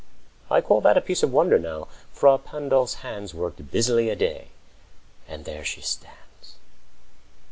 I call That piece a wonder, now: Frà Pandolf's hands Worked busily a day, and there she stands.